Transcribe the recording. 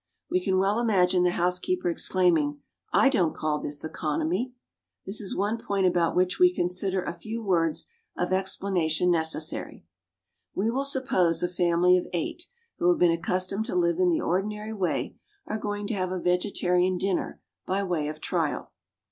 We can well imagine the housekeeper exclaiming, "I don't call this economy." This is one point about which we consider a few words of explanation necessary. We will suppose a family of eight, who have been accustomed to live in the ordinary way, are going to have a vegetarian dinner by way of trial.